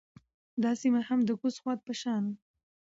دا سیمه هم د کوز خوات په شان